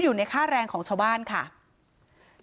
ซึ่งในส่วนของค่าแรงชาวบ้านชาวบ้านตั้งใจว่าจะนำไปมอบให้กับพระอาจารย์สมบัติ